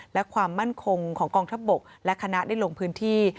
และความมั่นคงของกองทัพบกและคณะได้ลงพื้นที่